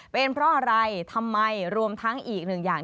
เป็นเพราะอะไรทำไมรวมทั้งอีกหนึ่งอย่าง